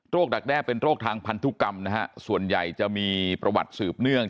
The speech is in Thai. ดักแด้เป็นโรคทางพันธุกรรมนะฮะส่วนใหญ่จะมีประวัติสืบเนื่อง